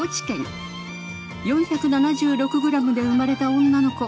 ４７６グラムで生まれた女の子。